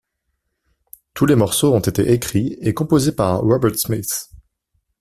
Tous les morceaux ont été écrits et composés par Robert Smith.